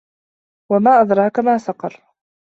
وَما أَدراكَ ما سَقَرُ